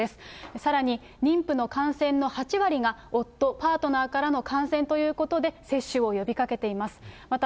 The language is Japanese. さらに、妊婦の感染の８割が夫、パートナーからの感染ということで、接種を呼びかけています。